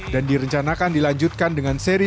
dan direncanakan dilanjutkan dengan piala persija satu